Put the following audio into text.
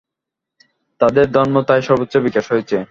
তাদের ধর্মের তাই সর্বোচ্চ বিকাশ হয়েছে।